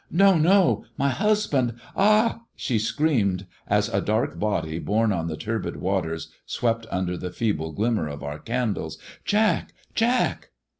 ' No ! No ! My husband ! Ah !" she screamed, as a k body borne on the turbid waters swept under the ble glimmer of our candles. "Jack! Jack!"